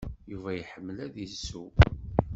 Yuba iḥemmel ad isew.